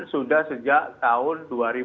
sudah sejak tahun dua ribu dua